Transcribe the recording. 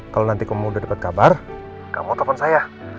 kalau nanti kamu udah dapet kabar kamu telfon saya